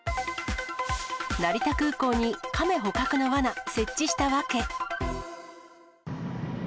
成田空港にカメ捕獲のわな設置した訳。